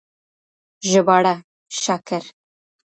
ژباړه:شاکر